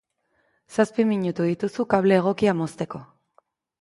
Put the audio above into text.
Zazpi minutu dituzu kable egokia mozteko.